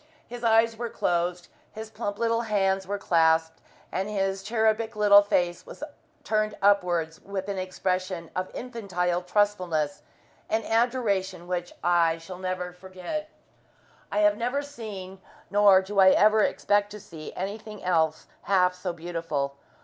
His eyes were closed, his plump little hands were clasped, and his cherubic little face was turned upwards with an expression of infantile trustfulness and adoration which I shall never forget. I have never seen, nor do I ever expect to see, anything else half so beautiful.